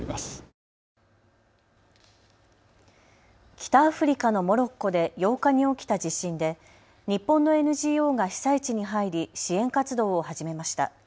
北アフリカのモロッコで８日に起きた地震で日本のＮＧＯが被災地に入り支援活動を始めました。